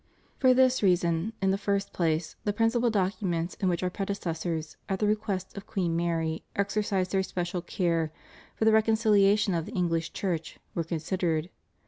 For this reason, in the first place, the principal documents in which Our predecessors, at the request of Queen Mary, exercised their special care for the reconciliation of the Enghsh Church, were considered.